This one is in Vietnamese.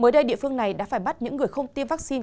mới đây địa phương này đã phải bắt những người không tiêm vaccine